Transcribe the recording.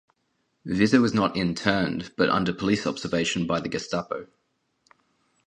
Witte was not interned but under police observation by the GeStaPo.